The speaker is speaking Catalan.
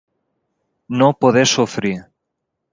No poder sofrir.